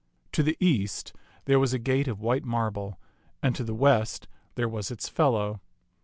To the east there was a gate of white marble, and to the west there was its fellow.